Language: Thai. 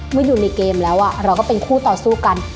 อยู่ในเกมแล้วเราก็เป็นคู่ต่อสู้กัน